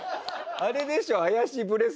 あれでしょ？